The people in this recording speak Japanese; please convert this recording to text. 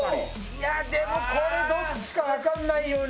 いやでもこれどっちかわかんない。